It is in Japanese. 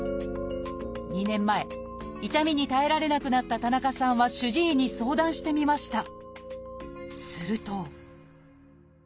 ２年前痛みに耐えられなくなった田中さんは主治医に相談してみました。